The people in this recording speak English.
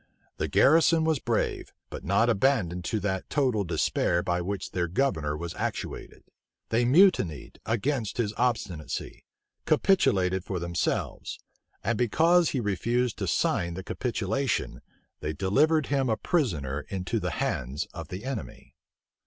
The garrison was brave, but not abandoned to that total despair by which their governor was actuated. They mutinied against his obstinacy; capitulated for themselves; and because he refused to sign the capitulation, they delivered him a prisoner into the hands of the enemy.